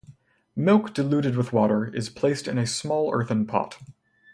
Milk diluted with water is placed in a small earthen pot.